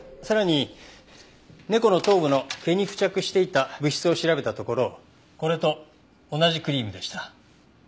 さらに猫の頭部の毛に付着していた物質を調べたところこれと同じクリームでした。